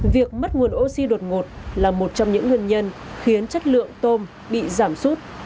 việc mất nguồn oxy đột ngột là một trong những nguyên nhân khiến chất lượng tôm bị giảm sút